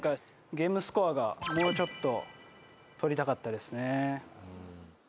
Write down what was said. ゲームスコアがもうちょっと取りたかったですね。